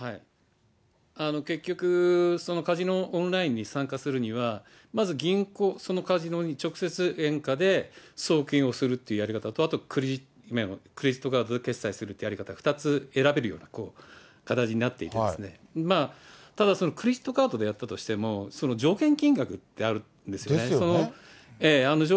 結局、そのカジノオンラインに参加するには、まず銀行、そのカジノに直接円価で送金するというやり方と、あとクレジットカードで決済するっていうやり方、２つ選べるような形になっていて、ただそのクレジットカードでやったとしても、上限金額ってあるんですよね。